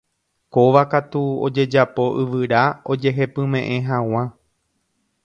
Kóva katu ojejapo yvyra ojehepymeʼẽ hag̃ua.